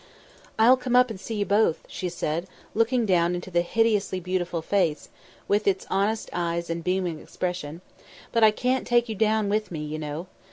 "I'll come up and see you both," she said, looking down into the hideously beautiful face, with its honest eyes and beaming expression. "But I can't take you down with me, you know.